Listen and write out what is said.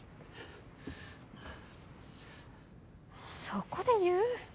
そこで言う？